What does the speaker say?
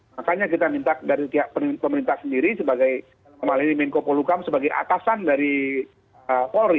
makanya kita minta dari pihak pemerintah sendiri sebagaimana ini menko polukam sebagai atasan dari polri